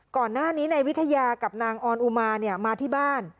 ก่อนหน้านี้นายวิทยากับนางออนอุมามาที่บ้าน